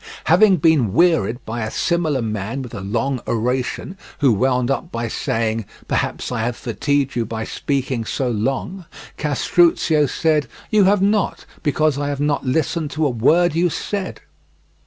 Having been wearied by a similar man with a long oration who wound up by saying: "Perhaps I have fatigued you by speaking so long," Castruccio said: "You have not, because I have not listened to a word you said."